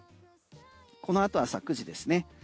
このあと朝９時ですね。